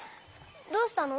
どうしたの？